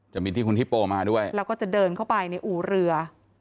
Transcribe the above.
จะมีที่คุณฮิปโปมาด้วยแล้วก็จะเดินเข้าไปในอู่เรือ